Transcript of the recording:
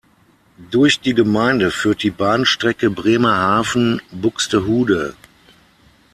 Durch die Gemeinde führt die Bahnstrecke Bremerhaven–Buxtehude.